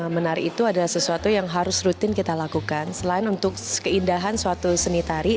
menari itu adalah sesuatu yang harus rutin kita lakukan selain untuk keindahan suatu seni tari